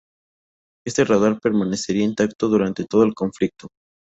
Este radar permanecería intacto durante todo el conflicto.